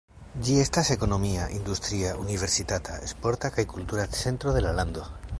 Ĝi estas ekonomia, industria, universitata, sporta kaj kultura centro de la lando.